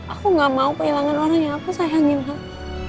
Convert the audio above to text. aku gak mau kehilangan orang yang aku sayangin kak